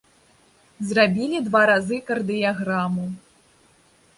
Зрабілі два разы кардыяграму.